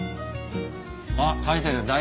あっ書いてる。